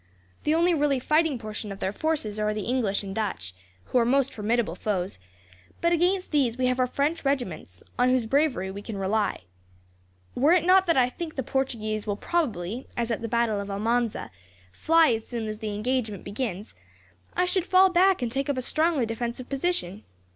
The only really fighting portion of their forces are the English and Dutch, who are most formidable foes; but against these we have our French regiments, on whose bravery we can rely. Were it not that I think the Portuguese will probably, as at the battle of Almanza, fly as soon as the engagement begins, I should fall back and take up a strongly defensive position.